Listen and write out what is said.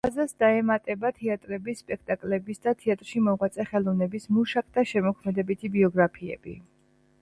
ბაზას დაემატება თეატრების, სპექტაკლების და თეატრში მოღვაწე ხელოვნების მუშაკთა შემოქმედებითი ბიოგრაფიები.